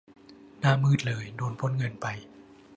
หน้ามืดเลย โดน ปล้นเงินไป